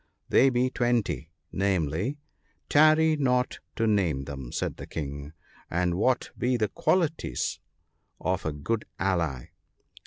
'* They be twenty (° 3 ), namely '* Tarry not to name them,' said the King ;* and what be the qualities of a good ally